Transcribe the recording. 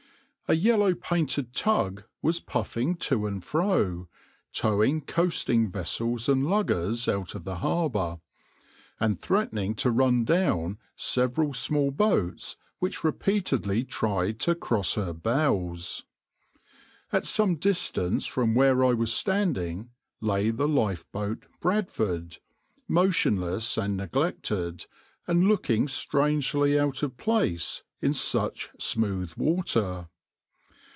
A yellow painted tug was puffing to and fro, towing coasting vessels and luggers out of the harbour, and threatening to run down several small boats which repeatedly tried to cross her bows. At some distance from where I was standing lay the lifeboat {\itshape{Bradford}}, motionless and neglected, and looking strangely out of place in such smooth water.